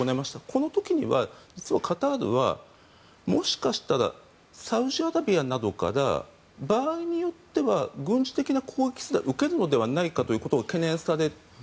この時には実はカタールは、もしかしたらサウジアラビアなどから場合によっては軍事的な攻撃すら受けるのではないかということを懸念されて。